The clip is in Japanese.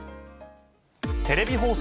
テレビ放送